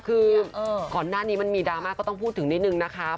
คือก่อนหน้านี้มันมีดราม่าก็ต้องพูดถึงนิดนึงนะคะ